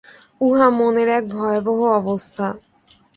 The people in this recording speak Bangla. উহা মনের এক ভয়াবহ অবস্থা।